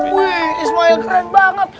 wih ismail keren banget